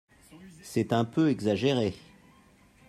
C’est un peu exagéré